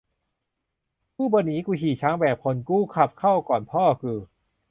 กูบ่หนี กูขี่ช้างแบกพล กูขับเข้าก่อนพ่อกู